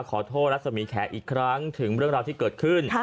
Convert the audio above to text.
รัศมีแขกอีกครั้งถึงเรื่องราวที่เกิดขึ้น